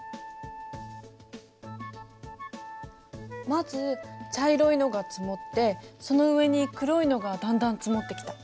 まず茶色いのが積もってその上に黒いのがだんだん積もってきた。